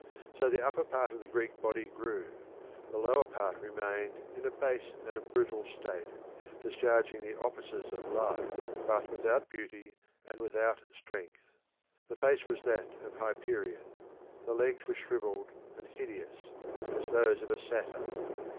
So the upper part of the Greek body grew; the lower part remained in a base and brutal state, discharging the offices of life, but without beauty and without strength. The face was that of Hyperion; the legs were shrivelled and hideous as those of a satyr.